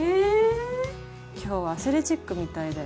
今日はアスレチックみたいだよ。